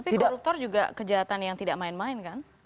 tapi koruptor juga kejahatan yang tidak main main kan